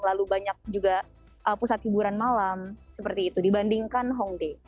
lalu banyak juga pusat hiburan malam seperti itu dibandingkan hongday